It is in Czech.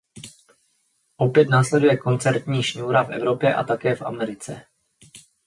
Opět následuje koncertní šňůra v Evropě a také v Americe.